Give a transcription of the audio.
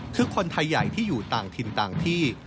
คือคนไทยใหญ่ที่อยู่ต่างถิ่นต่างที่